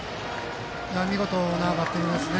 見事なバッティングですね。